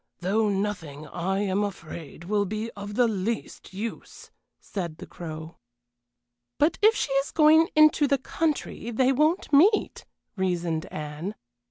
Though nothing, I am afraid, will be of the least use," said the Crow. "But if she is going into the country they won't meet," reasoned Anne.